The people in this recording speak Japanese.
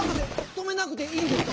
とめなくていいんですか？